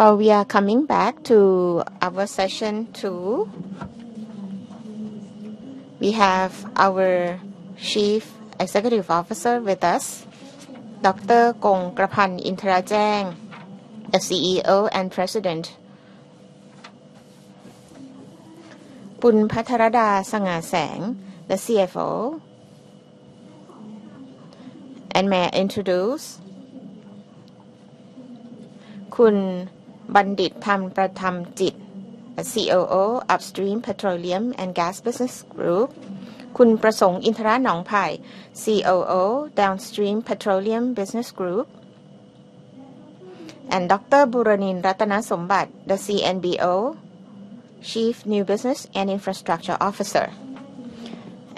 While we are coming back to our session two. We have our Chief Executive Officer with us, Dr. Kongkrapan Intarajang, the CEO and President. Pattaralada Sa-Ngasang, the CFO. May I introduce, Khun Bandhit Thamprajamchit, the COO, Upstream Petroleum and Gas Business Group. Khun Prasong Intaranongpai, COO, Downstream Petroleum Business Group. Dr. Buranin Rattanasombat, the CNBO, Chief New Business and Infrastructure Officer.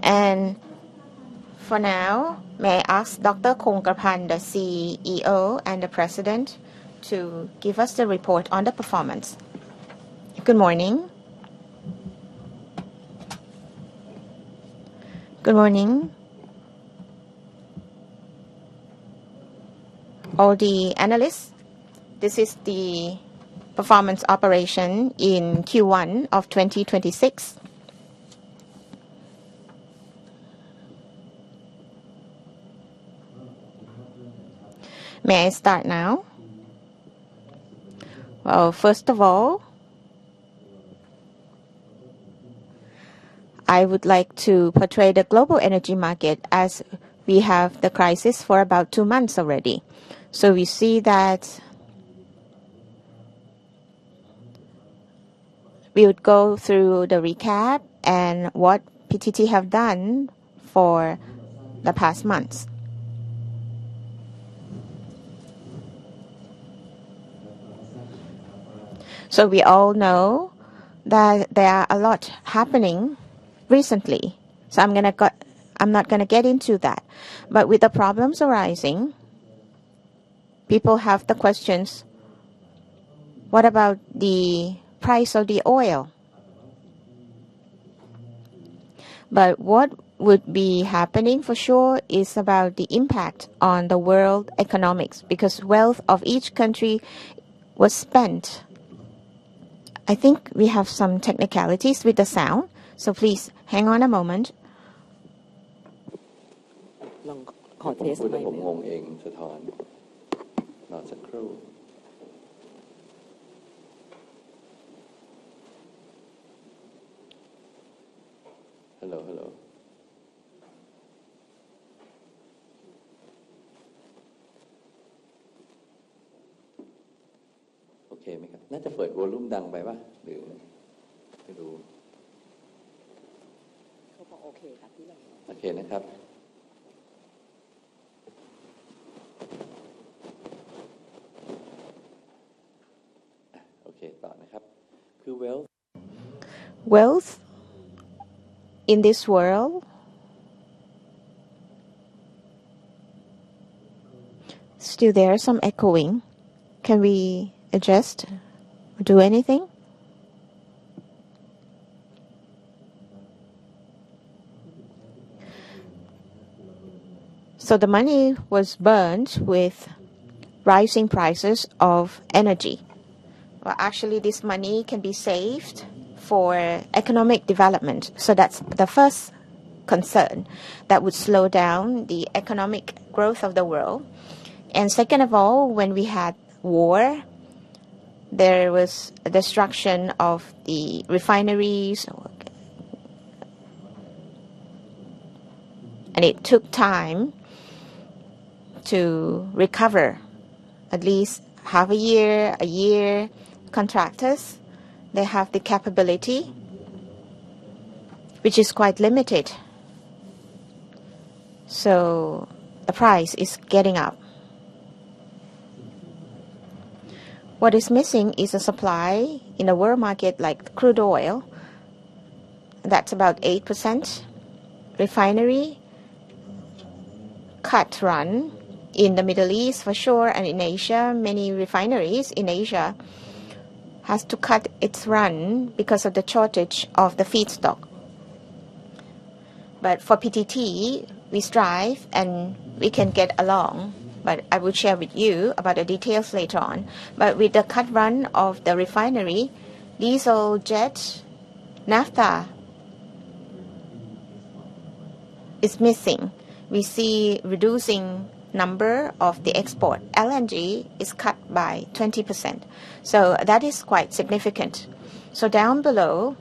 For now, may I ask Dr. Kongkrapan, the CEO and the President, to give us a report on the performance. Good morning. Good morning. All the analysts. This is the performance operation in Q1 2026. May I start now? First of all, I would like to portray the global energy market as we have the crisis for about two months already. We see that we would go through the recap and what PTT have done for the past months. We all know that there are a lot happening recently. I'm not going to get into that. With the problems arising, people have the questions. What about the price of the oil? What would be happening for sure is about the impact on the world economics, because wealth of each country was spent. I think we have some technicalities with the sound, so please hang on a moment. Hello, hello. Okay. Wealth in this world still there, some echoing. Can we adjust, do anything? The money was burned with rising prices of energy. Actually, this money can be saved for economic development. That's the first concern. That would slow down the economic growth of the world. Second of all, when we had war, there was a destruction of the refineries. It took time to recover, at least half a year, a year. Contractors, they have the capability, which is quite limited. The price is getting up. What is missing is the supply in a world market like crude oil. That's about 8% refinery cut run in the Middle East for sure, and in Asia. Many refineries in Asia have to cut its run because of the shortage of the feedstock. For PTT, we strive and we can get along. I will share with you about the details later on. With the cut run of the refinery, diesel, jet, naphtha is missing. We see reducing number of the export. LNG is cut by 20%, that is quite significant. Down below,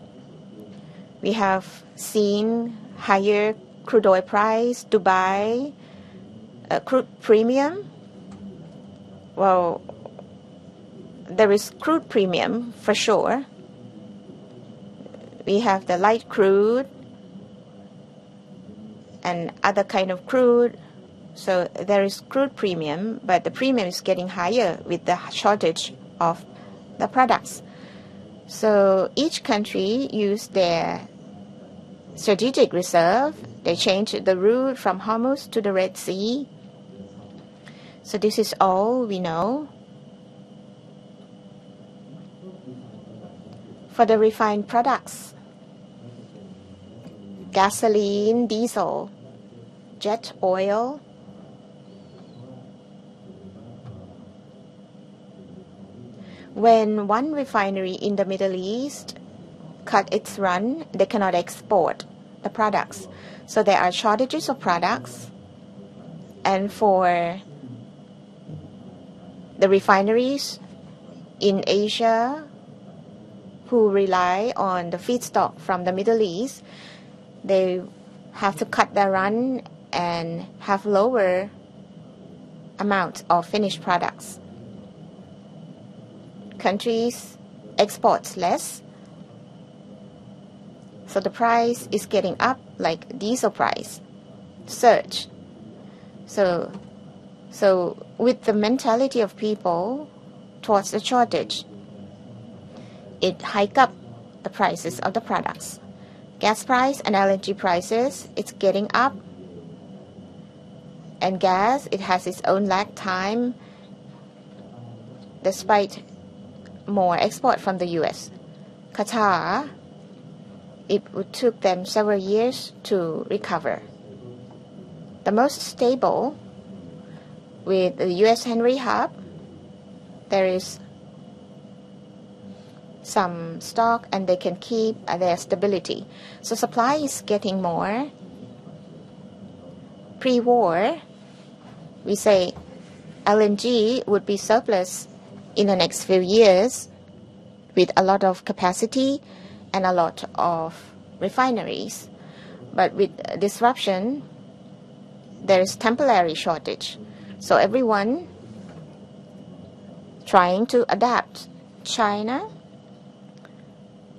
we have seen higher crude oil price, Dubai crude premium. Well, there is crude premium for sure. We have the light crude and other kind of crude. There is crude premium, but the premium is getting higher with the shortage of the products. Each country use their strategic reserve. They change the route from Hormuz to the Red Sea. This is all we know. For the refined products, gasoline, diesel, jet oil. When one refinery in the Middle East cut its run, they cannot export the products. There are shortages of products, and for the refineries in Asia who rely on the feedstock from the Middle East, they have to cut their run and have lower amounts of finished products. Countries export less, the price is getting up, like diesel price surge. With the mentality of people towards the shortage, it hikes up the prices of the products. Gas price and LNG prices, it's getting up, and gas, it has its own lag time despite more export from the U.S. Qatar, it took them several years to recover. The most stable with the U.S. Henry Hub, there is some stock, and they can keep their stability. Supply is getting more. Pre-war, we say LNG would be surplus in the next few years with a lot of capacity and a lot of refineries. With disruption, there's temporary shortage, everyone trying to adapt. China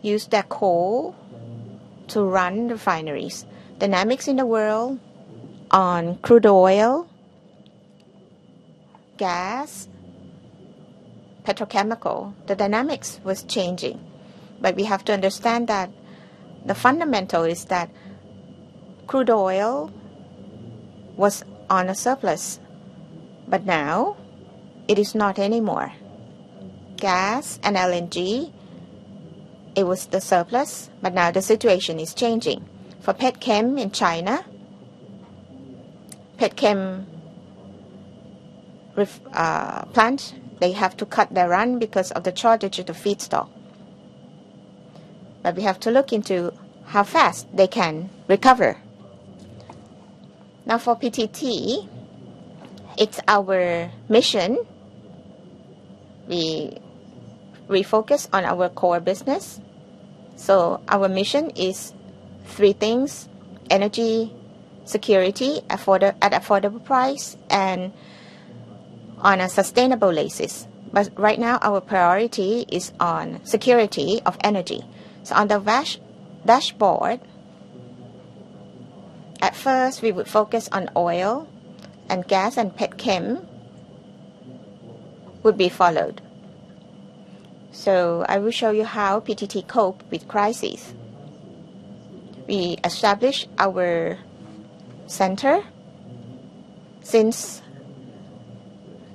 use their coal to run refineries. Dynamics in the world on crude oil, gas, petrochemical, the dynamics was changing. We have to understand that the fundamental is that crude oil was on a surplus, but now it is not anymore. Gas and LNG, it was the surplus, but now the situation is changing. For petchem in China, petchem plant, they have to cut their run because of the shortage of the feedstock. We have to look into how fast they can recover. Now for PTT, it's our mission. We focus on our core business. Our mission is three things: energy security at affordable price and on a sustainable basis. Right now, our priority is on security of energy. On the dashboard, at first, we would focus on oil and gas, and petchem would be followed. I will show you how PTT cope with crisis. We established our center since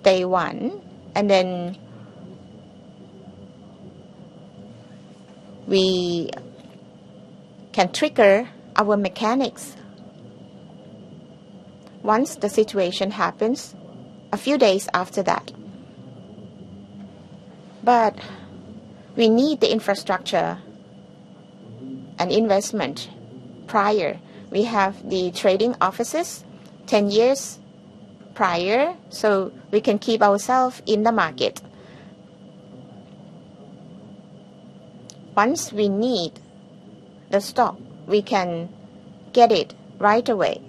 day one, and then we can trigger our mechanics once the situation happens a few days after that. We need the infrastructure and investment prior. We have the trading offices 10 years prior, so we can keep ourself in the market. Once we need the stock, we can get it right away,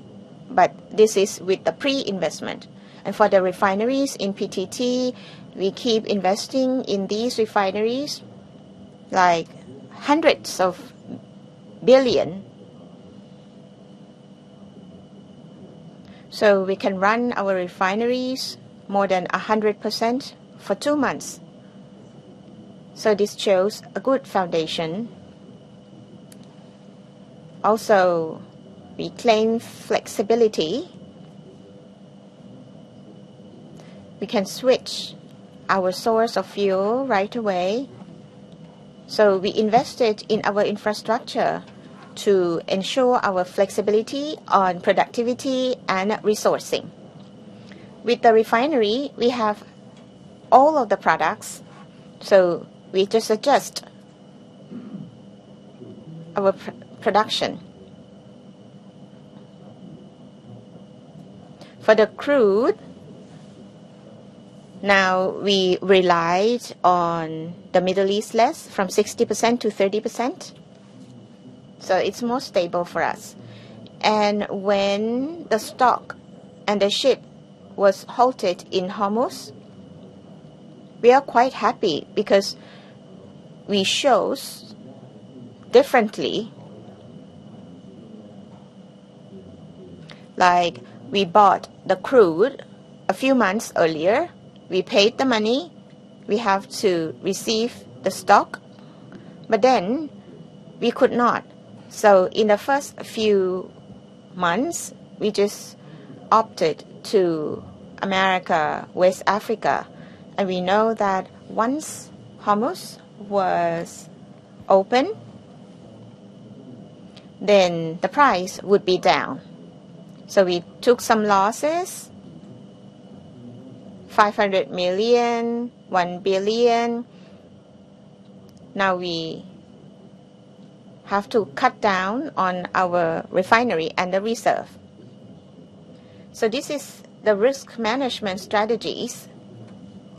but this is with the pre-investment. For the refineries in PTT, we keep investing in these refineries like THB hundreds of billion. We can run our refineries more than 100% for two months. This shows a good foundation. Also, we claim flexibility. We can switch our source of fuel right away. We invested in our infrastructure to ensure our flexibility on productivity and resourcing. With the refinery, we have all of the products, so we just adjust our production. The crude, now we relied on the Middle East less from 60% to 30%, it's more stable for us. When the stock and the ship was halted in Hormuz, we are quite happy because we chose differently. Like we bought the crude a few months earlier, we paid the money, we have to receive the stock, we could not. In the first few months, we just opted to America, West Africa, we know that once Hormuz was open, the price would be down. We took some losses, 500 million, 1 billion. Now we have to cut down on our refinery and the reserve. This is the risk management strategies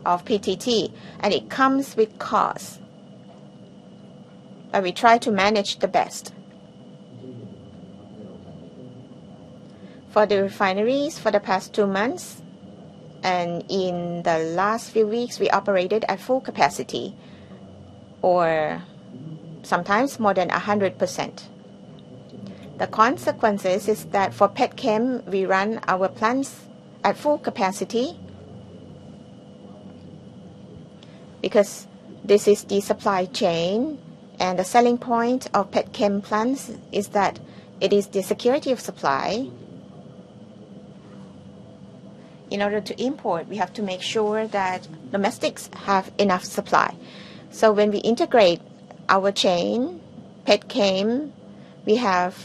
of PTT, it comes with cost, we try to manage the best. For the refineries for the past two months and in the last few weeks, we operated at full capacity or sometimes more than 100%. The consequences is that for PTTCHEM, we run our plants at full capacity because this is the supply chain and the selling point of PTTCHEM plants is that it is the security of supply. In order to import, we have to make sure that domestics have enough supply. When we integrate our chain, PTTCHEM, we have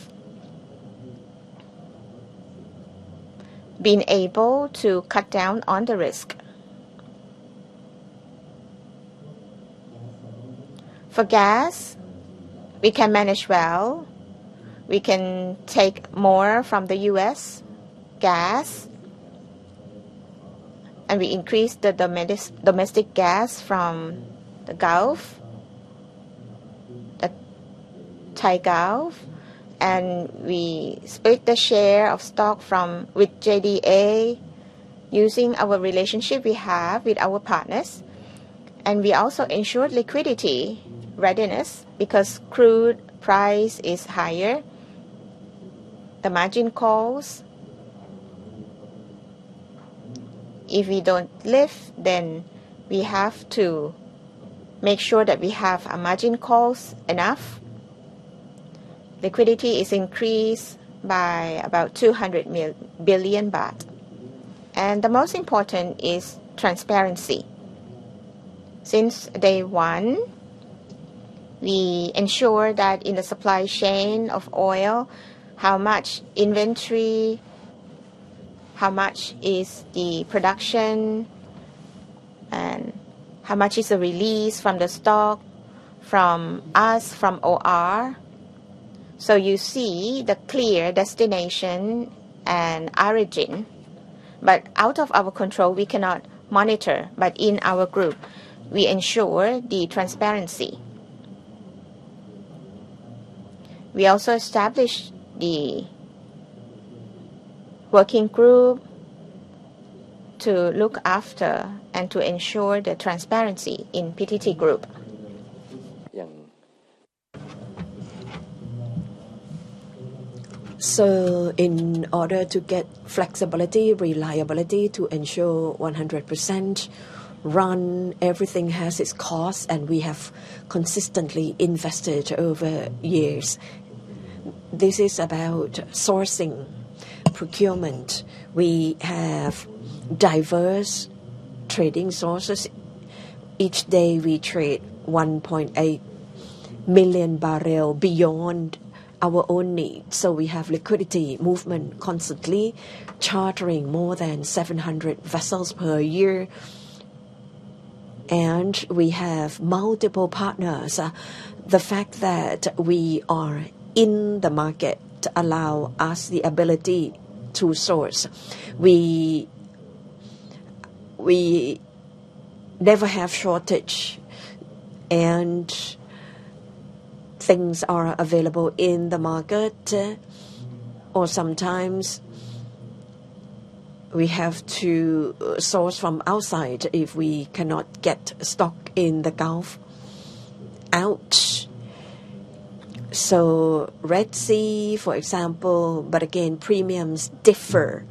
been able to cut down on the risk. For gas, we can manage well. We can take more from the U.S. gas, and we increase the domestic gas from the Gulf, the Thai Gulf, and we split the share of stock with JDA using our relationship we have with our partners, and we also ensure liquidity readiness because crude price is higher. The margin calls, if we don't lift, then we have to make sure that we have margin calls enough. Liquidity is increased by about 200 billion baht. The most important is transparency. Since day one, we ensure that in the supply chain of oil, how much inventory, how much is the production, and how much is the release from the stock from us, from OR. You see the clear destination and origin. Out of our control, we cannot monitor. In our PTT Group, we ensure the transparency. We also established the working group to look after and to ensure the transparency in PTT Group. In order to get flexibility, reliability to ensure 100% run, everything has its cost, and we have consistently invested over years. This is about sourcing procurement. We have diverse trading sources. Each day we trade 1.8 MMbbl beyond our own need. We have liquidity movement constantly, chartering more than 700 vessels per year. We have multiple partners. The fact that we are in the market allow us the ability to source. We never have shortage, and things are available in the market, or sometimes we have to source from outside if we cannot get stock in the Gulf. Ouch. Red Sea, for example, but again, premiums differ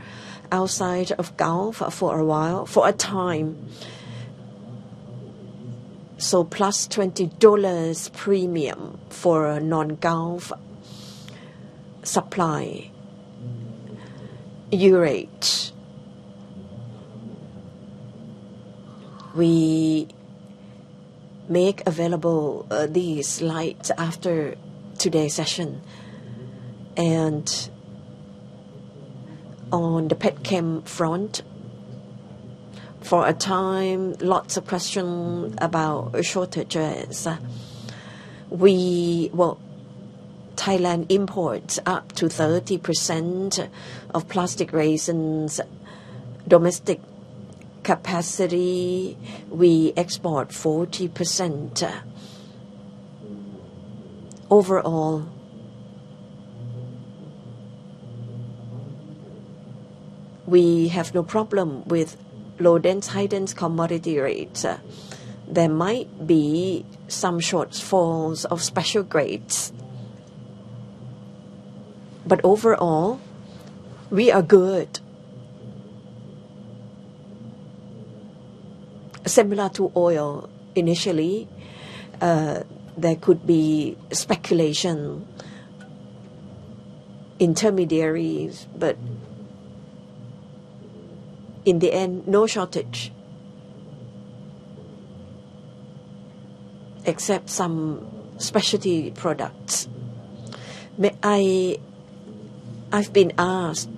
outside of Gulf for a while, for a time. +$20 premium for a non-Gulf supply. Right. We make available these slides after today's session. On the PTTCHEM front, for a time, lots of question about shortages. Thailand imports up to 30% of plastic resins. Domestic capacity, we export 40%. Overall, we have no problem with low-dense, high-dense commodity rates. There might be some shortfalls of special grades. Overall, we are good. Similar to oil initially, there could be speculation, intermediaries, in the end, no shortage except some specialty products. I've been asked.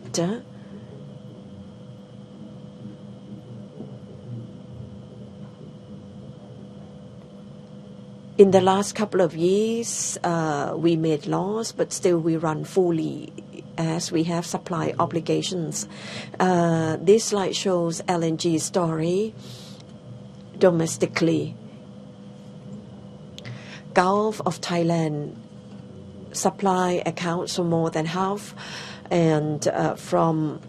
In the last couple of years, we made laws, but still we run fully as we have supply obligations. This slide shows LNG story domestically. Gulf of Thailand supply accounts for more than half and from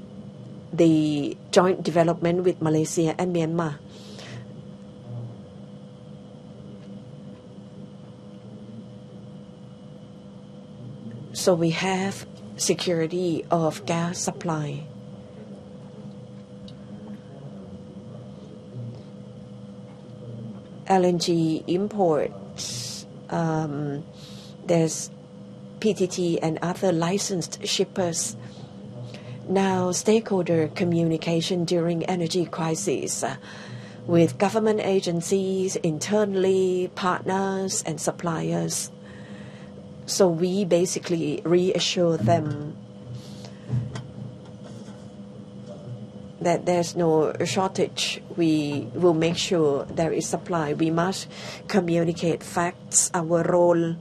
the joint development with Malaysia and Myanmar. We have security of gas supply. LNG imports. There's PTT and other licensed shippers. Now, stakeholder communication during energy crisis with government agencies internally, partners, and suppliers. We basically reassure them that there's no shortage. We will make sure there is supply. We must communicate facts, our role.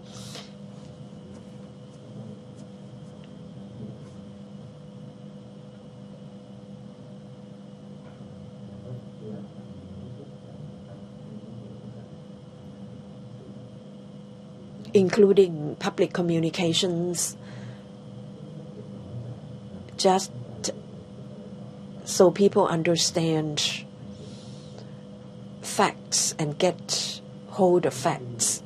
Including public communications, just so people understand facts and get hold of facts.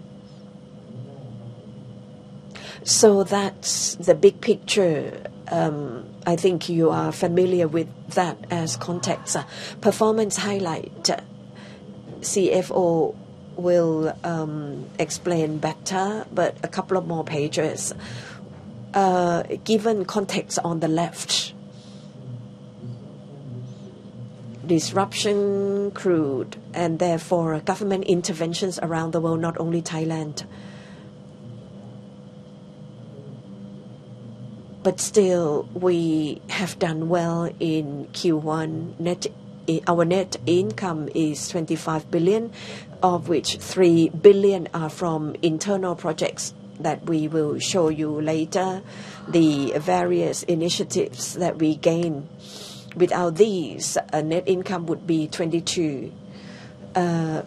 That's the big picture. I think you are familiar with that as context. Performance highlight. CFO will explain better, but a couple of more pages. Given context on the left. Disruption crude and therefore government interventions around the world, not only Thailand. Still, we have done well in Q1. Our net income is 25 billion, of which 3 billion are from internal projects that we will show you later, the various initiatives that we gain. Without these, net income would be 22 billion.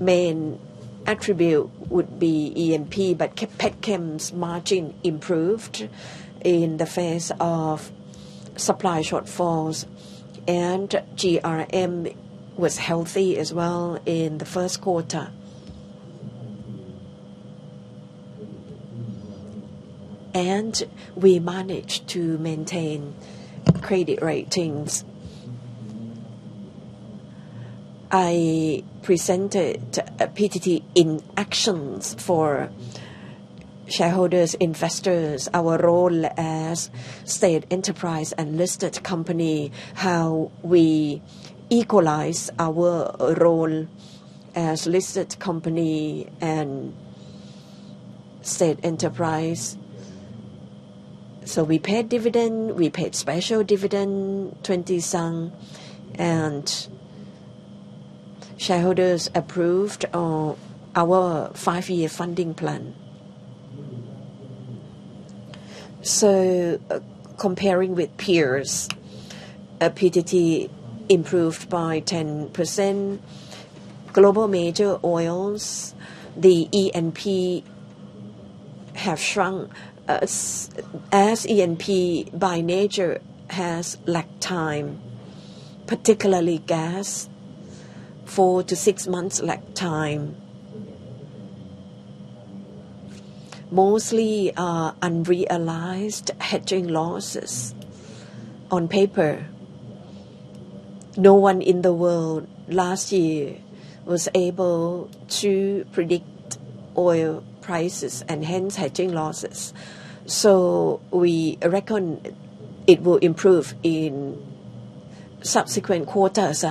Main attribute would be E&P, but PTTCHEM's margin improved in the face of supply shortfalls, and GRM was healthy as well in the first quarter. We managed to maintain credit ratings. I presented PTT in actions for shareholders, investors, our role as state enterprise and listed company, how we equalize our role as listed company and state enterprise. We paid dividend, we paid special dividend, 20 some, and shareholders approved our five-year funding plan. Comparing with peers, PTT improved by 10%. Global major oils, the E&P have shrunk. As E&P by nature has lag time, particularly gas, four to six months lag time. Mostly unrealized hedging losses on paper. No one in the world last year was able to predict oil prices and hence hedging losses. We reckon it will improve in subsequent quarters.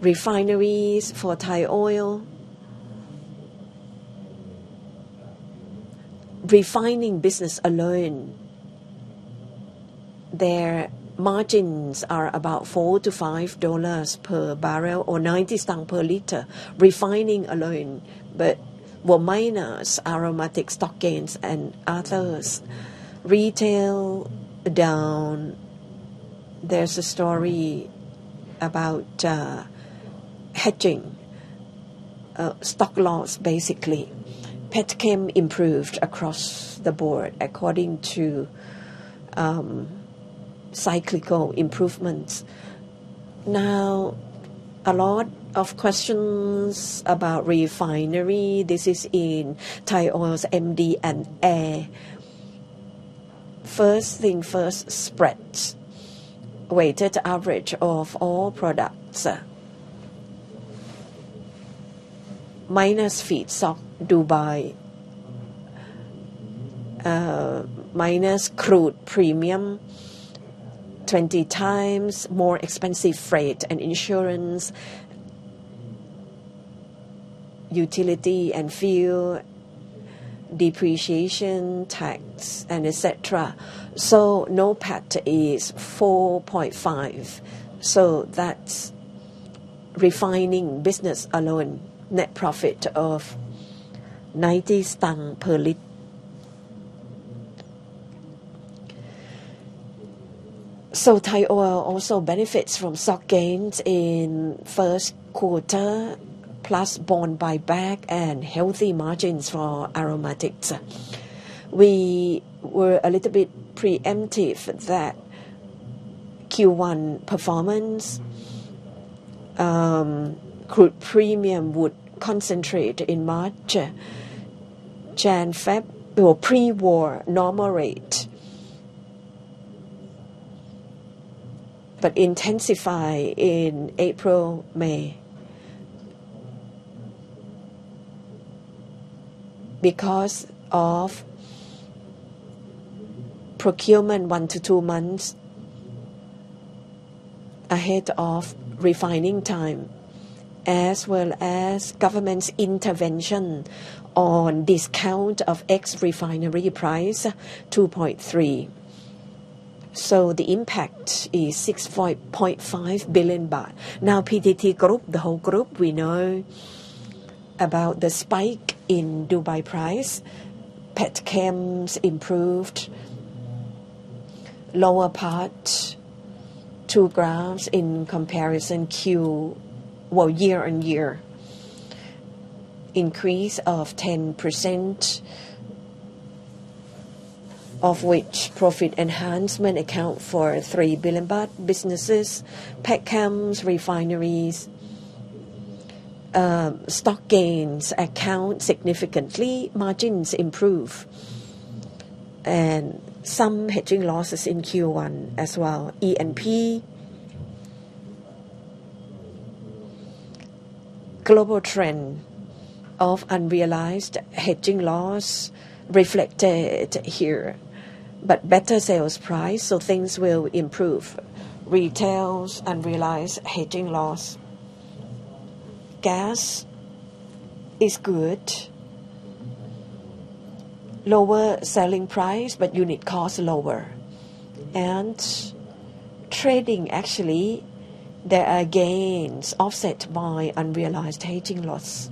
Refineries for Thaioil. Refining business alone, their margins are about $4-$5 /bbl or 90 satang per liter. Refining alone. Were minus aromatic stock gains and others. Retail down. There's a story about hedging. Stock loss basically. PTTCHEM improved across the board according to cyclical improvements. A lot of questions about refinery. This is in Thaioil's MD&A. First thing first, spreads. Weighted average of all products. Minus feedstock Dubai, minus crude premium, 20x more expensive freight and insurance, utility and fuel, depreciation, tax, and et cetera. NOPAT is 4.5 billion That's refining business alone, net profit of 90 satang per liter. Thaioil also benefits from stock gains in first quarter, plus bond buyback and healthy margins for aromatics. We were a little bit preemptive that Q1 performance crude premium would concentrate in March. January, February, pre-war normal rate. Intensify in April, May. Because of procurement one to two months ahead of refining time, as well as government intervention on discount of ex refinery price 2.3 billion The impact is 6.5 billion baht. PTT Group, the whole group, we know about the spike in Dubai price. Petchems improved. Lower part, two graphs in comparison year-over-year. Increase of 10%, of which profit enhancement account for 3 billion baht. Businesses, petchems, refineries, stock gains account significantly, margins improve. Some hedging losses in Q1 as well. E&P. Global trend of unrealized hedging loss reflected here. Better sales price, so things will improve. Retails, unrealized hedging loss. Gas is good. Lower selling price, but unit cost lower. Trading actually, there are gains offset by unrealized hedging loss.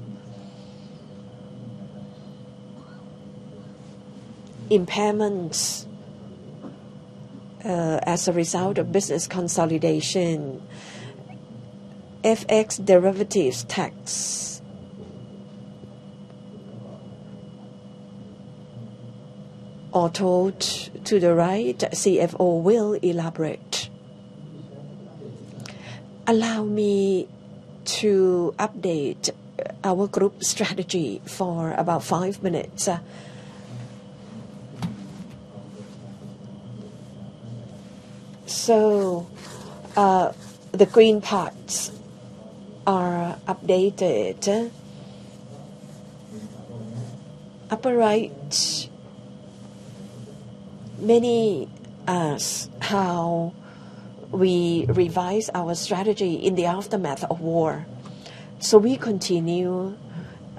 Impairment as a result of business consolidation. FX derivatives, tax. Auto to the right, CFO will elaborate. Allow me to update our group strategy for about five minutes. The green parts are updated. Upper right. Many ask how we revise our strategy in the aftermath of war. We continue,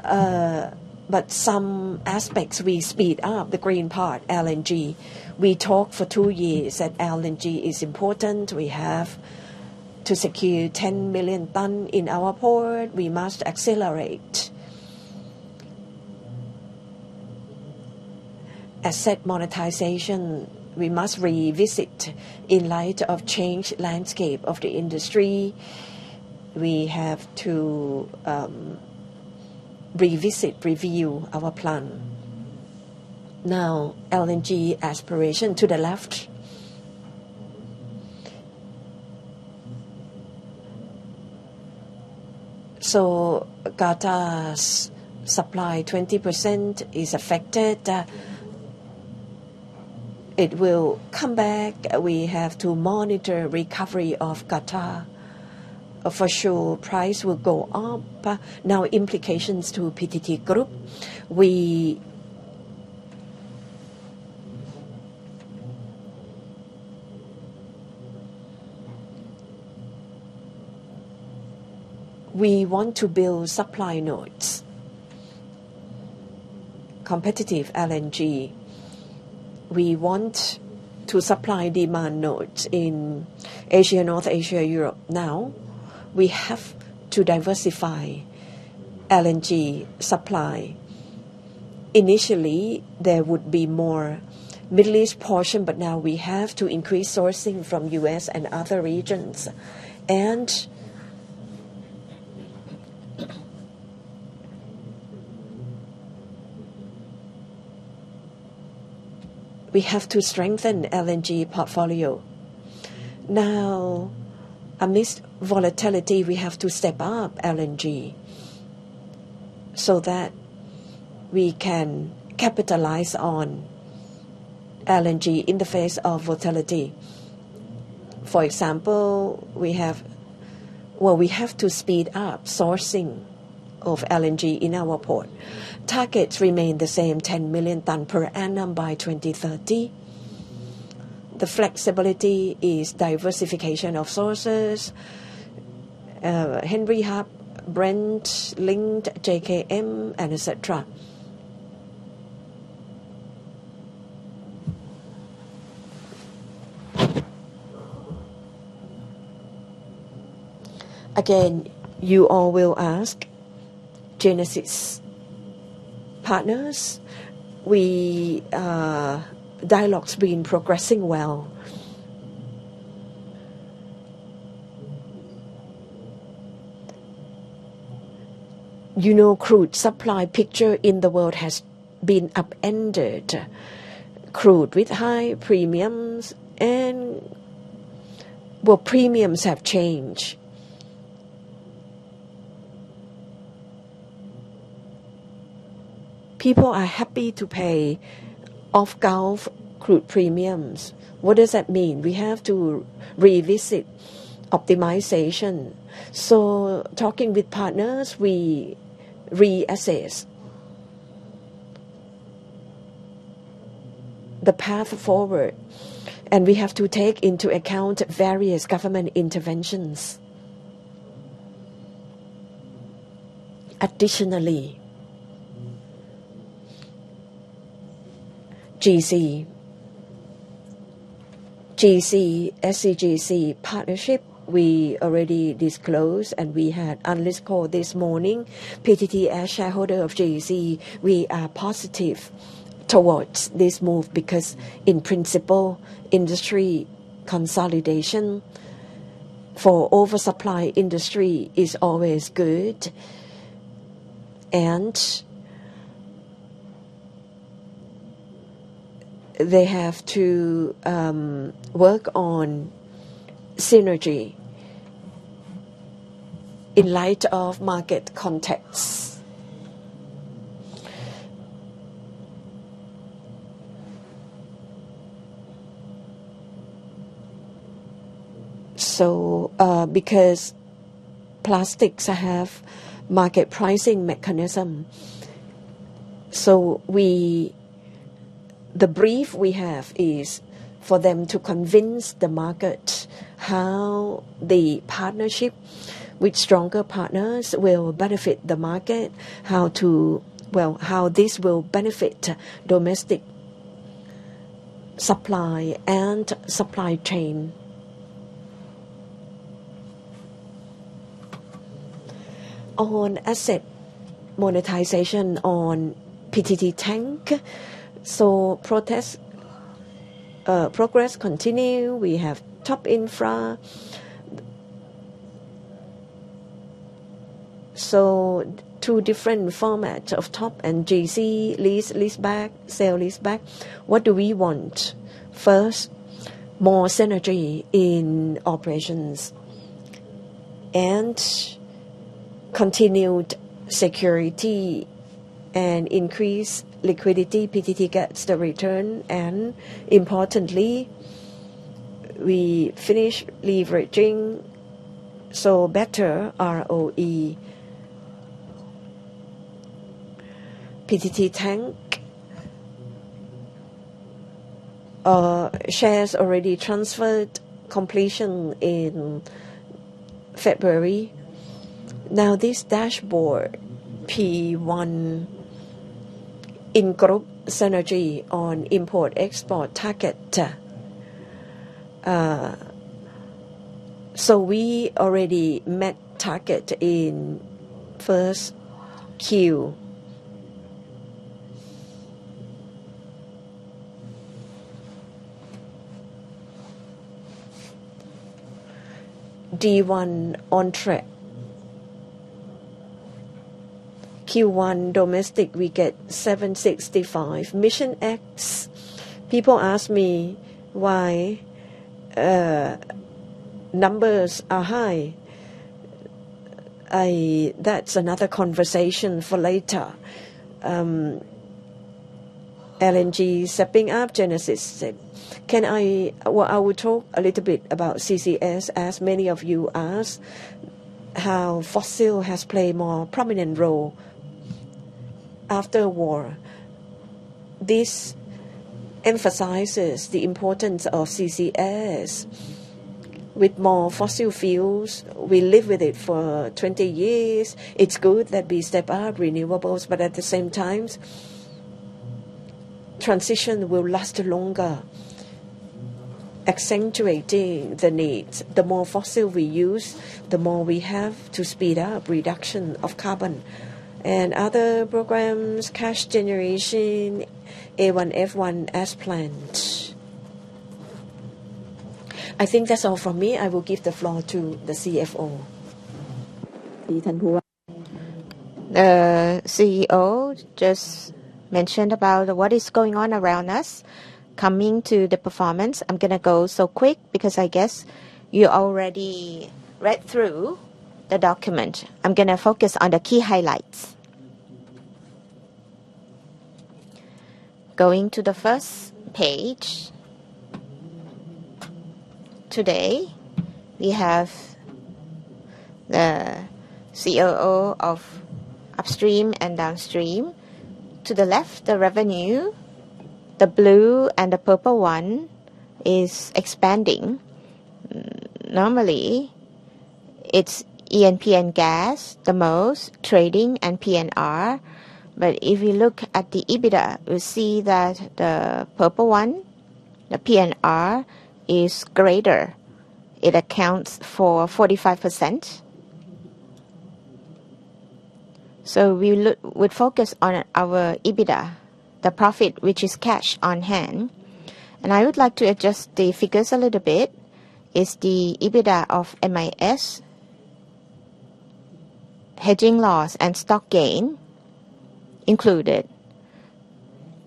but some aspects we speed up, the green part, LNG. We talk for two years that LNG is important. We have to secure 10 million tonnes in our port. We must accelerate. Asset monetization, we must revisit. In light of changed landscape of the industry, we have to revisit, review our plan. LNG aspiration to the left. Qatar's supply, 20% is affected. It will come back. We have to monitor recovery of Qatar. For sure, price will go up. Implications to PTT Group. We want to build supply nodes. Competitive LNG. We want to supply demand nodes in Asia, North Asia, Europe. We have to diversify LNG supply. Initially, there would be more Middle East portion, we have to increase sourcing from U.S. and other regions. We have to strengthen LNG portfolio. Amidst volatility, we have to step up LNG so that we can capitalize on LNG in the face of volatility. For example, we have to speed up sourcing of LNG in our port. Targets remain the same, 10 million tonnes per annum by 2030. The flexibility is diversification of sources, Henry Hub, Brent, LNG, JKM, et cetera. Again, you all will ask, Genesis partners. Dialog has been progressing well. Crude supply picture in the world has been upended. Crude with high premiums. Well, premiums have changed. People are happy to pay off Gulf crude premiums. What does that mean? We have to revisit optimization. Talking with partners, we reassess the path forward, and we have to take into account various government interventions. Additionally, SCGC partnership, we already disclosed, and we had analyst call this morning. PTT as shareholder of GC, we are positive towards this move because in principle, industry consolidation for oversupply industry is always good, and they have to work on synergy in light of market context. Because plastics have market pricing mechanism. The brief we have is for them to convince the market how the partnership with stronger partners will benefit the market, how this will benefit domestic supply and supply chain. On asset monetization on PTT Tank. Progress continue. We have TOP Infra. Two different formats of TOP and GC,, sale lease back. What do we want? First, more synergy in operations and continued security and increased liquidity. PTT gets the return and importantly, we finish leveraging, so better ROE. PTT Tank shares already transferred completion in February. Now this dashboard P1 in group synergy on import-export target. We already met target in first Q. D1 on track. Q1 domestic we get 765. Mission X, people ask me why numbers are high. That's another conversation for later. LNG stepping up Genesis. I will talk a little bit about CCS, as many of you asked how fossil has played a more prominent role after war. This emphasizes the importance of CCS. With more fossil fuels, we live with it for 20 years. At the same time, transition will last longer, accentuating the need. The more fossil we use, the more we have to speed up reduction of carbon. Other programs, cash generation, A1, F1 as planned. I think that's all from me. I will give the floor to the CFO. CEO just mentioned about what is going around us. Coming to the performance, I'm going to go so quick because I guess you already read through the document. I'm going to focus on the key highlights. Going to the first page. Today, we have the COO of Upstream and Downstream. To the left, the revenue, the blue and the purple one is expanding. Normally, it's E&P and gas the most, trading and P&R. If you look at the EBITDA, you'll see that the purple one, the P&R, is greater. It accounts for 45%. We focus on our EBITDA, the profit which is cash on hand. I would like to adjust the figures a little bit, is the EBITDA of MIS, hedging loss and stock gain included.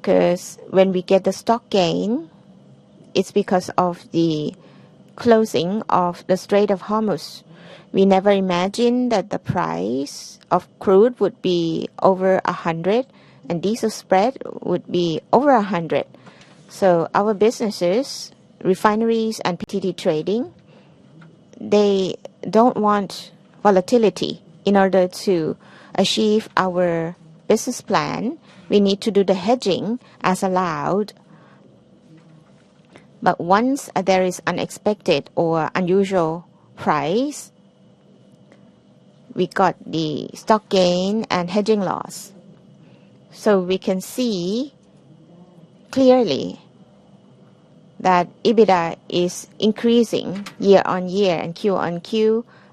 When we get the stock gain, it's because of the closing of the Strait of Hormuz. We never imagined that the price of crude would be over $100 and diesel spread would be over $100. Our businesses, refineries and PTT trading, they don't want volatility. In order to achieve our business plan, we need to do the hedging as allowed. Once there is unexpected or unusual price, we got the stock gain and hedging loss. We can see clearly that EBITDA is increasing year-over-year and quarter-over-quarter about 23% and 49%. It reflects large spread. Looking at the net income, it is not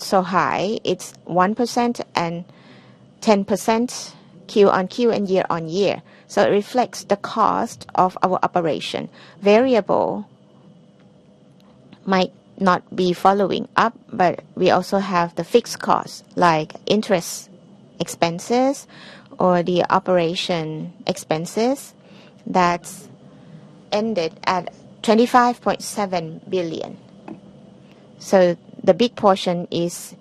so high. It's 1% and 10% quarter-over-quarter and year-over-year. It reflects the cost of our operation. Variable might not be following up, we also have the fixed cost, like interest expenses or the operation expenses that ended at 25.7 billion. The big portion is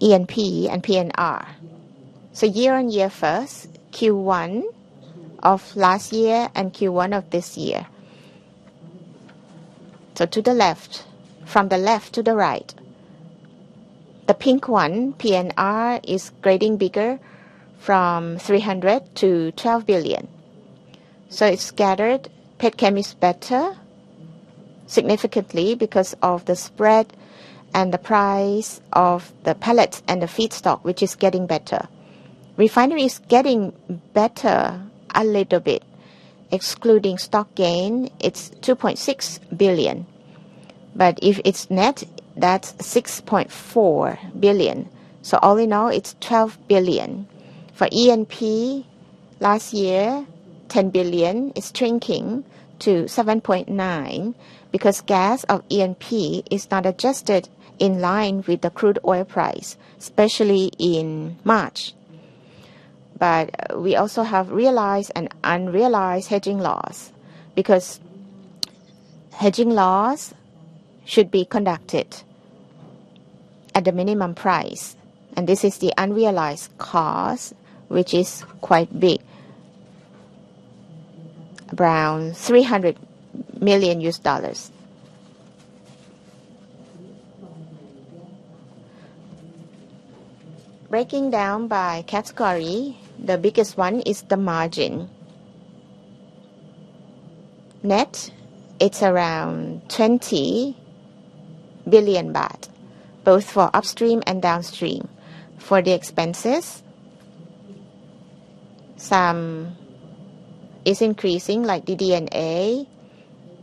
E&P and P&R. Year-on-year first, Q1 of last year and Q1 of this year. To the left, from the left to the right. The pink one, P&R, is getting bigger from 300 million-12 billion. It's scattered. Petchem is better significantly because of the spread and the price of the pellets and the feedstock, which is getting better. Refinery is getting better a little bit. Excluding stock gain, it's 2.6 billion. If it's net, that's 6.4 billion. All in all, it's 12 billion. For E&P, last year, 10 billion is shrinking to 7.9 billion because gas of E&P is not adjusted in line with the crude oil price, especially in March. We also have realized and unrealized hedging loss because hedging loss should be conducted at the minimum price, and this is the unrealized cost, which is quite big. Around $300 million. Breaking down by category, the biggest one is the margin. It's around 20 billion baht, both for upstream and downstream. For the expenses, some is increasing, like DD&A,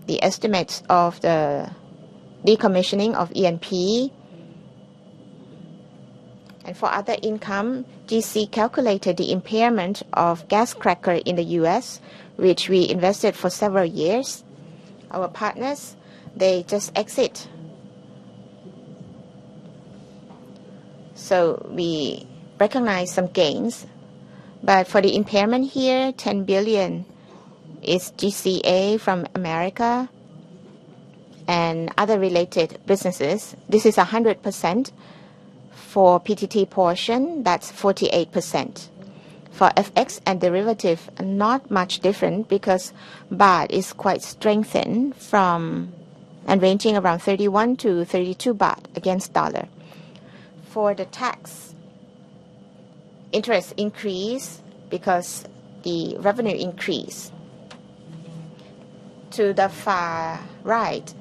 the estimates of the decommissioning of E&P. For other income, GC calculated the impairment of gas cracker in the U.S., which we invested for several years. Our partners, they just exit. We recognize some gains. For the impairment here, 10 billion is GC America and other related businesses. This is 100% for PTT portion, that's 48%. For FX and derivative, not much different because baht is quite strengthened from and ranging around 31-32 baht against U.S. dollar. For the tax, interest increase because the revenue increase. To the far right,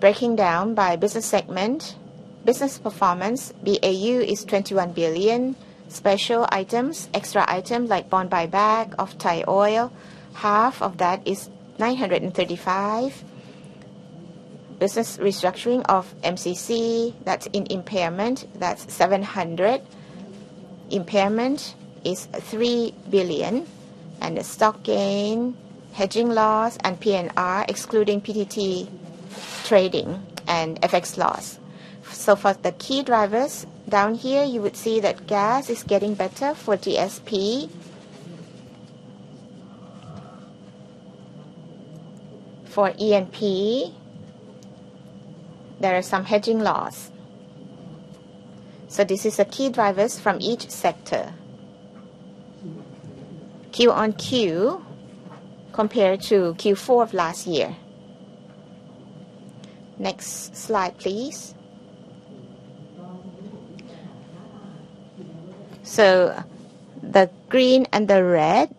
breaking down by business segment, business performance, BAU is 21 billion. Special items, extra item like bond buyback of Thaioil, half of that is 935. Business restructuring of MCC, that's in impairment, that's 700. Impairment is 3 billion. The stock gain, hedging loss, and P&R, excluding PTT trading and FX loss. For the key drivers down here, you would see that gas is getting better for GSP. For E&P, there are some hedging loss. This is the key drivers from each sector Q-on-Q compared to Q4 of last year. Next slide, please. The green and the red,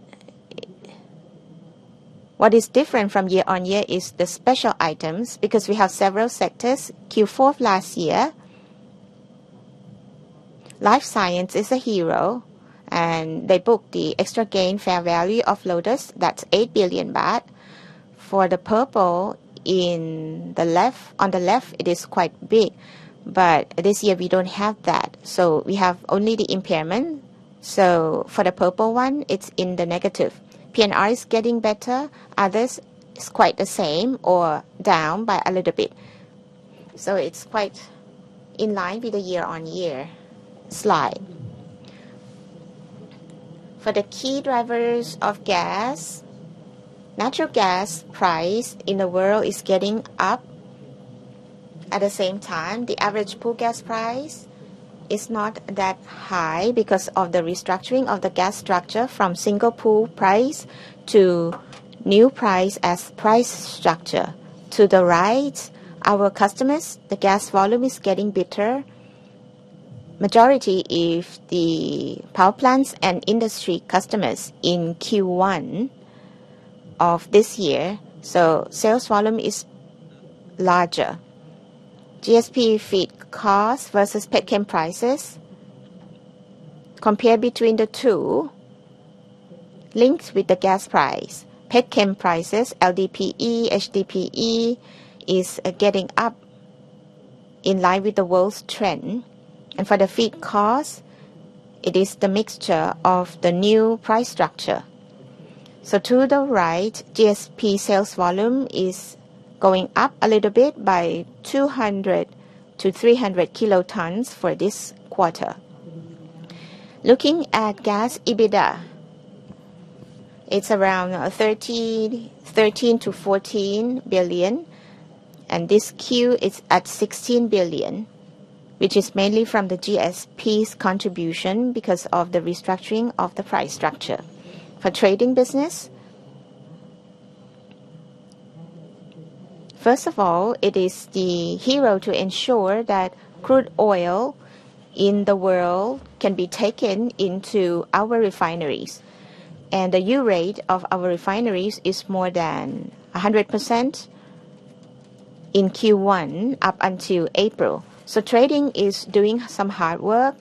what is different from year-over-year is the special items because we have several sectors Q4 last year. Life science is a hero and they book the extra gain fair value of Lotus, that's 8 billion baht. For the purple on the left it is quite big, this year we don't have that. We have only the impairment. For the purple one, it's in the negative. P&R is getting better. Others is quite the same or down by a little bit. It's quite in line with the year-on-year. Slide. For the key drivers of gas, natural gas price in the world is getting up. At the same time, the average pool gas price is not that high because of the restructuring of the gas structure from Singapore price to new price as price structure. To the right, our customers, the gas volume is getting better. Majority is the power plants and industry customers in Q1 of this year. Sales volume is larger. GSP feed cost versus petchem prices. Compare between the two links with the gas price. Petchem prices, LDPE, HDPE is getting up in line with the world's trend. For the feed cost, it is the mixture of the new price structure. To the right, GSP sales volume is going up a little bit by 200 to 300 kilotons for this quarter. Looking at gas EBITDA, it's around 13 billion-14 billion, and this Q is at 16 billion, which is mainly from the GSP's contribution because of the restructuring of the price structure. For trading business, first of all, it is the hero to ensure that crude oil in the world can be taken into our refineries, and the new rate of our refineries is more than 100% in Q1 up until April. Trading is doing some hard work,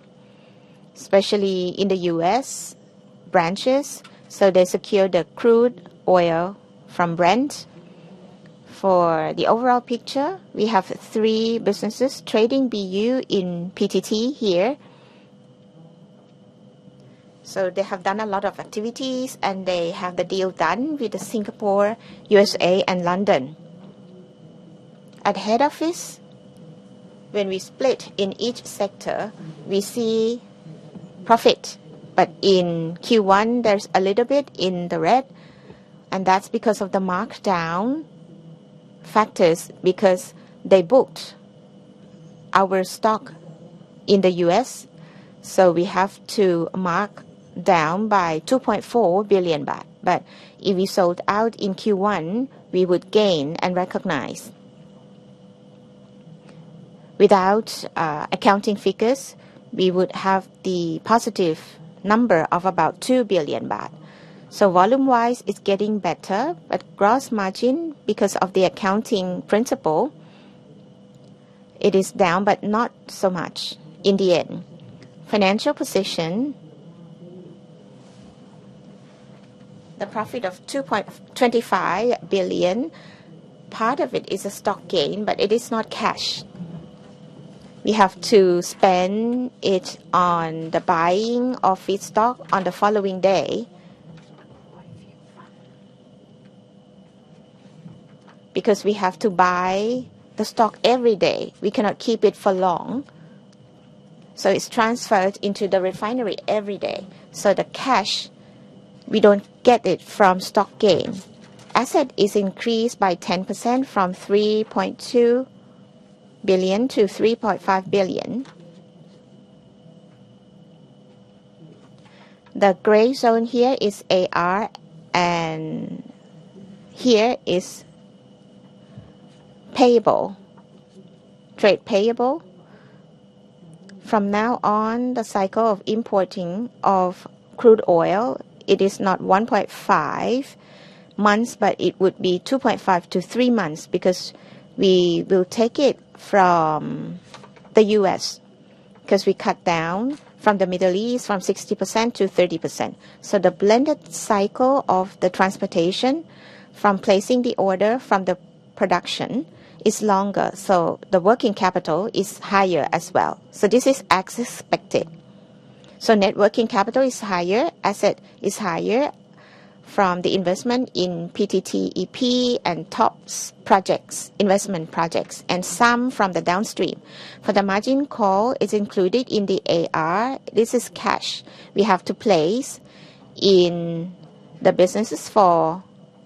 especially in the U.S. branches. They secure the crude oil from Brent. For the overall picture, we have three businesses. Trading BU in PTT here. They have done a lot of activities, and they have the deal done with the Singapore, USA, and London. At head office, when we split in each sector, we see profit. In Q1 there's a little bit in the red, and that's because of the markdown factors because they bought our stock in the U.S., so we have to mark down by 2.4 billion baht. If we sold out in Q1, we would gain and recognize. Without accounting figures, we would have the positive number of about 2 billion baht. Volume wise it's getting better. Gross margin, because of the accounting principle, it is down, but not so much in the end. Financial position. The profit of 2.25 billion, part of it is a stock gain, but it is not cash. We have to spend it on the buying of feedstock on the following day because we have to buy the stock every day. We cannot keep it for long. It's transferred into the refinery every day. The cash, we don't get it from stock gain. Asset is increased by 10% from 3.2 billion-3.5 billion. The gray zone here is [GRM] and here is payable. Trade payable. From now on, the cycle of importing of crude oil, it is not 1.5 months, but it would be 2.5-3 months because we will take it from the U.S. because we cut down from the Middle East from 60%-30%. The blended cycle of the transportation from placing the order from the production is longer. The working capital is higher as well. This is as expected. Net working capital is higher, asset is higher from the investment in PTTEP and TOP's investment projects, and some from the downstream. The margin call is included in the [EBITDA]. This is cash we have to place in the businesses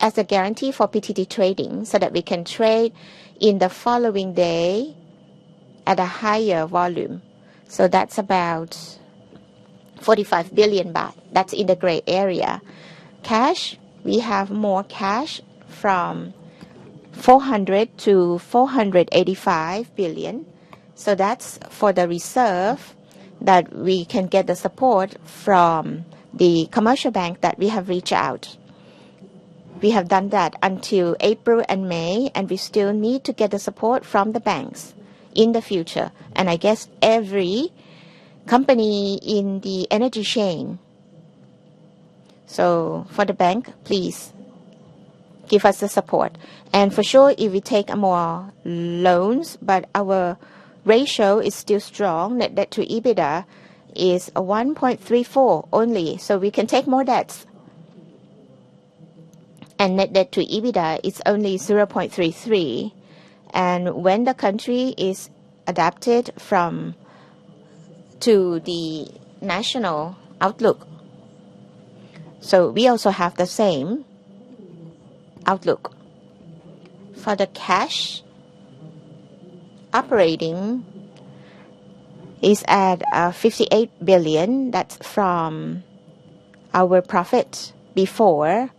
as a guarantee for PTT Trading so that we can trade in the following day at a higher volume. That's about 45 billion baht. That's in the gray area. Cash, we have more cash from 400 billion-485 billion. That's for the reserve that we can get the support from the commercial bank that we have reached out. We have done that until April and May, and we still need to get the support from the banks in the future. I guess every company in the energy chain. For the bank, please give us the support. For sure, if we take more loans, but our ratio is still strong. Net debt to EBITDA is 1.34 only, so we can take more debts. Net debt to EBITDA is only 0.33. When the country is adapted to the national outlook, we also have the same outlook. For the cash operating is at 58 billion. That's from our profit before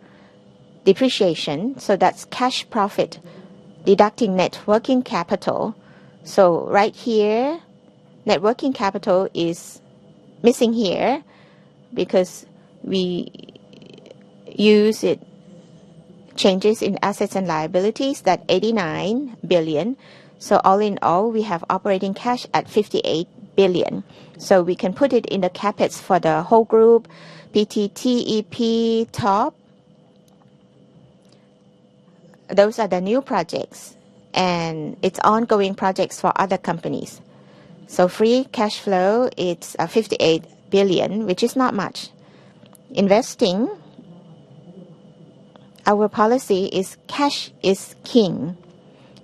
depreciation. That's cash profit deducting net working capital. Right here, net working capital is missing here because we use it. Changes in assets and liabilities, that 89 billion. All in all, we have operating cash at 58 billion. We can put it in the pockets for the whole group, PTTEP, TOP. Those are the new projects and it's ongoing projects for other companies. Free cash flow, it's 58 billion, which is not much. Investing, our policy is cash is king,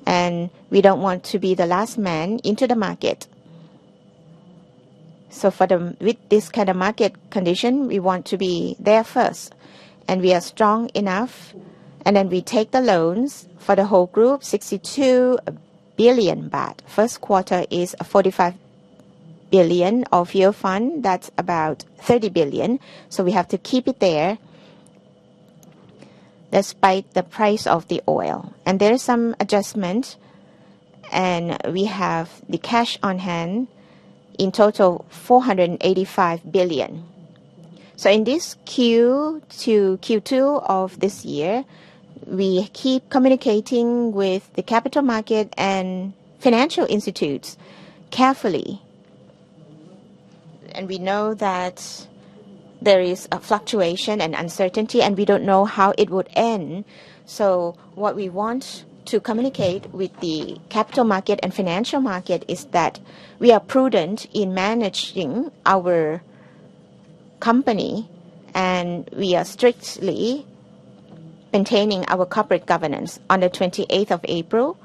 and we don't want to be the last man into the market. With this kind of market condition, we want to be there first, and we are strong enough, and then we take the loans for the whole group, 62 billion baht. First quarter is a 45 billion of your fund, that's about 30 billion. There's some adjustment, and we have the cash on hand in total 485 billion. In this Q2 of this year, we keep communicating with the capital market and financial institutes carefully. We know that there is a fluctuation and uncertainty, and we don't know how it would end. What we want to communicate with the capital market and financial market is that we are prudent in managing our company, and we are strictly maintaining our corporate governance. On the 28th of April,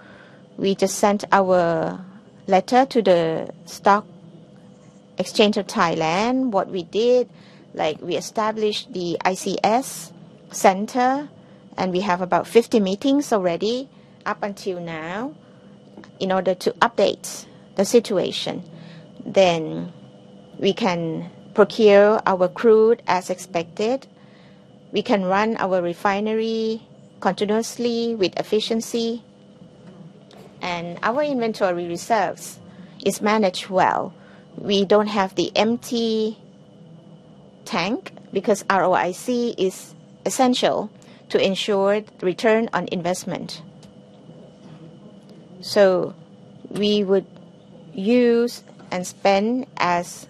we just sent our letter to the Stock Exchange of Thailand. What we did, like we established the ICS center, and we have about 50 meetings already up until now in order to update the situation. We can procure our crude as expected. We can run our refinery continuously with efficiency, and our inventory reserves is managed well. We don't have the empty tank because ROIC is essential to ensure return on investment. We would use and spend as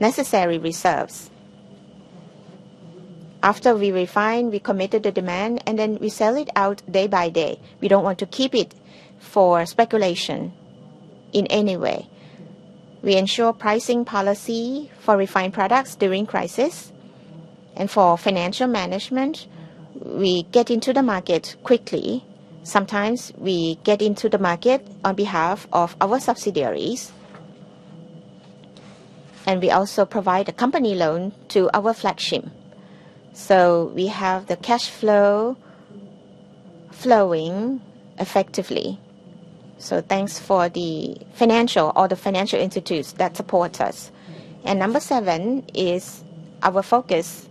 necessary reserves. After we refine, we committed the demand, and then we sell it out day by day. We don't want to keep it for speculation in any way. We ensure pricing policy for refined products during crisis. For financial management, we get into the market quickly. Sometimes we get into the market on behalf of our subsidiaries. We also provide a company loan to our flagship. We have the cash flow flowing effectively. Thanks for all the financial institutes that support us. Number seven is our focus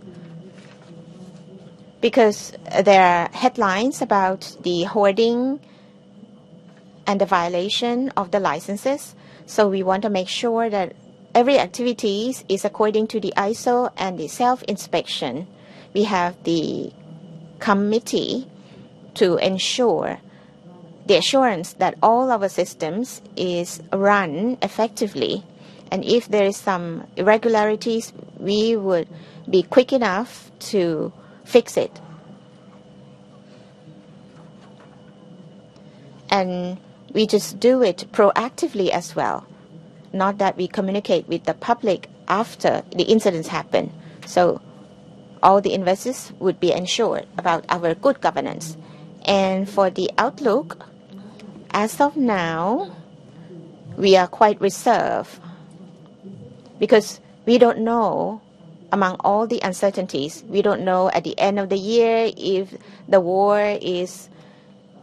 because there are headlines about the hoarding and the violation of the licenses. We want to make sure that every activity is according to the ISO and the self-inspection. We have the committee to ensure the assurance that all our systems are run effectively, and if there are some irregularities, we would be quick enough to fix it. We just do it proactively as well, not that we communicate with the public after the incidents happen. All the investors would be assured about our good governance. For the outlook, as of now, we are quite reserved because we don't know among all the uncertainties. We don't know at the end of the year if the war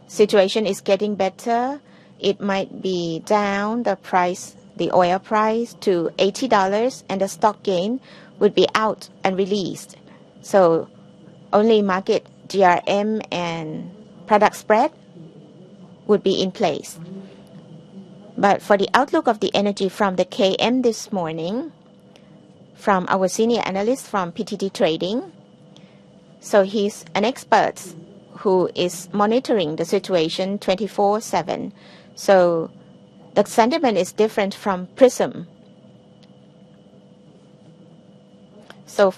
situation is getting better. It might be down, the oil price to $80, and the stock gain would be out and released. Only market GRM and product spread would be in place. For the outlook of the energy from the KM this morning, from our senior analyst from PTT Trading, he's an expert who is monitoring the situation 24/7. The sentiment is different from PRISM.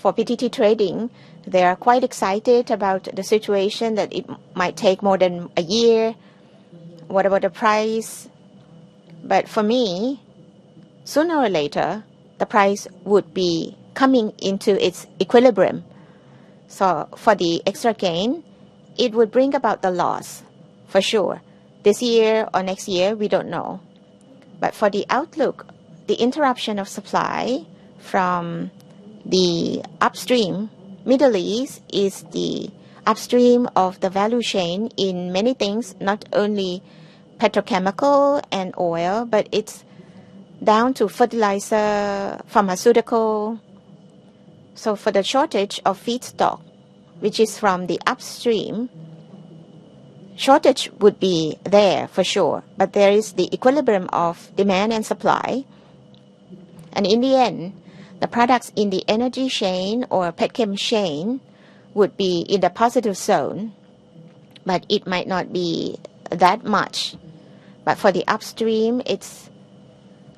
For PTT Trading, they are quite excited about the situation that it might take more than a year. What about the price? For me, sooner or later, the price would be coming into its equilibrium. For the extra gain, it would bring about the loss for sure. This year or next year, we don't know. For the outlook, the interruption of supply from the upstream, Middle East is the upstream of the value chain in many things, not only petrochemical and oil. It's down to fertilizer, pharmaceutical. For the shortage of feedstock, which is from the upstream, shortage would be there for sure. There is the equilibrium of demand and supply. In the end, the products in the energy chain or petchem chain would be in the positive zone. It might not be that much. For the upstream,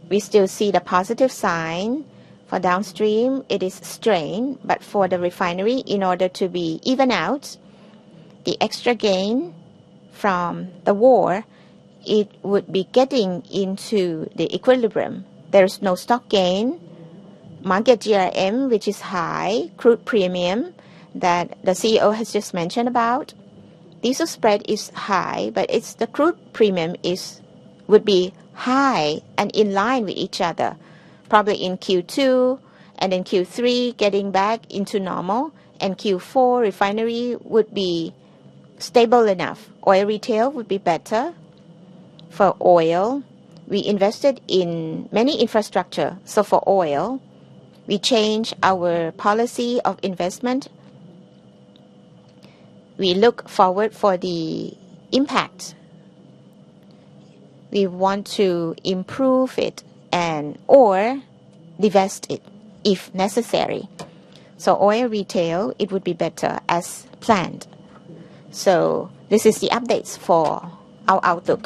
we still see the positive sign. For downstream, it is strain. For the refinery, in order to be even out, the extra gain from the war, it would be getting into the equilibrium. There is no stock gain. Market GRM, which is high, crude premium that the CEO has just mentioned about. Diesel spread is high, the crude premium would be high and in line with each other, probably in Q2 and in Q3, getting back into normal. Q4, refinery would be stable enough. Oil retail would be better. For oil, we invested in many infrastructure. For oil, we change our policy of investment. We look forward for the impact. We want to improve it and/or divest it if necessary. Oil retail, it would be better as planned. This is the updates for our outlook.